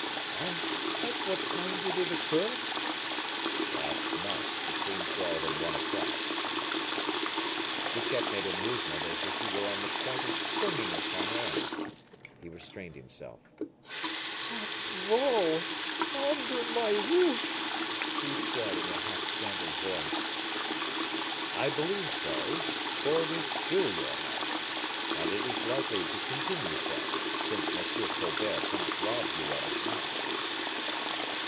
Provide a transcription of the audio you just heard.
"And at what time did it occur?" "Last night, between twelve and one o'clock." Fouquet made a movement as if he were on the point of springing upon Aramis; he restrained himself. "At Vaux; under my roof!" he said, in a half strangled voice. "I believe so! for it is still your house, and it is likely to continue so, since M. Colbert cannot rob you of it now."